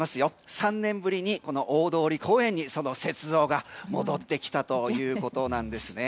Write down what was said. ３年ぶりに大通公園にその雪像が戻ってきたということなんです。